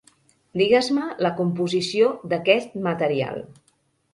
Digues-me la composició d'aquest material.